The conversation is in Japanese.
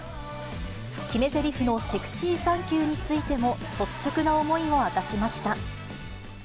決めぜりふのセクシーサンキューについても、率直な思いを明かしました。